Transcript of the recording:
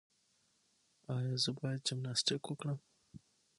ایا زه باید جمناسټیک وکړم؟